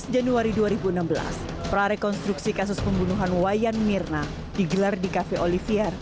dua belas januari dua ribu enam belas prarekonstruksi kasus pembunuhan wayan mirna digelar di cafe olivier